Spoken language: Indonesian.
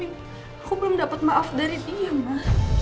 aku belum dapat maaf dari dia ma